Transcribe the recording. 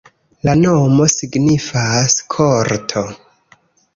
La nomo signifas: korto.